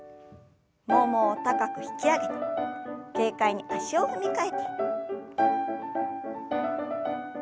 ももを高く引き上げて軽快に足を踏み替えて。